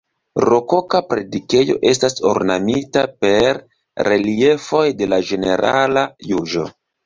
Rokoka predikejo estas ornamita per reliefoj de la Ĝenerala Juĝo.